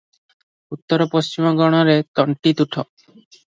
ଉତ୍ତର ପଶ୍ଚିମ କୋଣରେ ତନ୍ତୀତୁଠ ।